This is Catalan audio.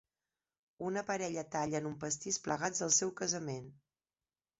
Una parella tallen un pastís plegats al seu casament.